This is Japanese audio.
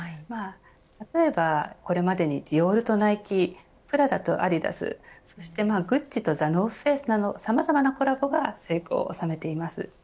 例えばこれまでにディオールとナイキプラダとアディダスそしてグッチとＴＨＥＮＯＲＴＨＦＡＣＥなど、さまざまなコラボが成功を収めています。